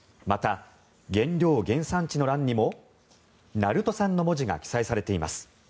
また、原料原産地の欄にも鳴門産の文字が記載されています。